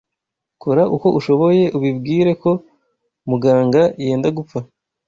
Kora uko ushoboye ubibwire ko Muganga yenda gupfa,